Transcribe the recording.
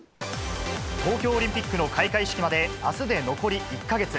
東京オリンピックの開会式まであすで残り１か月。